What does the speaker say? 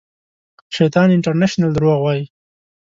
شیطان انټرنېشنل درواغ وایي